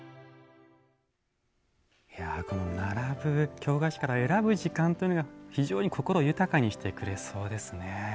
この並ぶ京菓子から選ぶ時間というのが非常に心豊かにしてくれそうですね。